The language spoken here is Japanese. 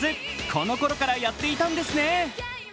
この頃からやっていたんですね。